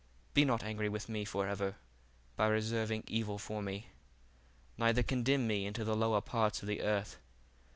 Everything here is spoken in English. Be not angry with me for ever, by reserving evil for me; neither condemn me to the lower parts of the earth.